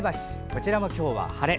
こちらも今日は晴れ。